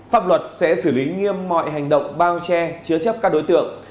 pháp luật sẽ xử lý nghiêm mọi hành động bao che chứa chấp các đối tượng